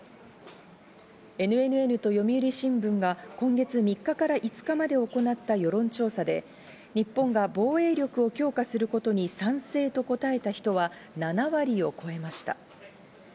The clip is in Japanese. ＮＮＮと読売新聞が今月３日から５日まで行った世論調査で日本が防衛力を強化することに賛成と答えた人は７割を超えました。